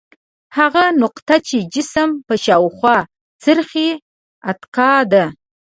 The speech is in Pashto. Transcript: هغه نقطه چې جسم په شاوخوا څرخي اتکا ده.